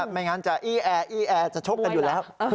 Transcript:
ไม่งั้นจะอี้แอร์อี้แอร์จะชกกันอยู่แล้ว